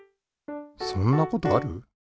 そんなことある？